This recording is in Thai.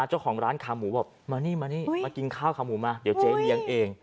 เจ้าของร้านขาหมูบอกมานี่มานี่มากินข้าวขาหมูมาเดี๋ยวเจ๊เลี้ยงเอง